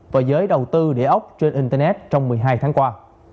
và giới đầu tư địa ốc trên internet trong một mươi hai tháng qua